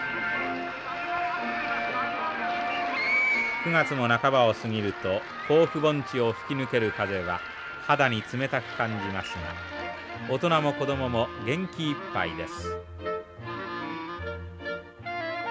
９月の半ばを過ぎると甲府盆地を吹き抜ける風は肌に冷たく感じますが大人も子どもも元気いっぱいです。